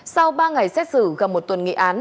sau ba ngày xét xử gần một tuần nghị án